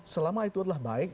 selama itu adalah baik